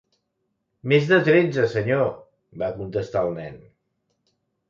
"Més de tretze, senyor", va contestar el nen.